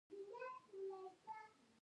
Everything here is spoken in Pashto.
د اوسپنې ارزښت په کلنګ او بېلچه کې دی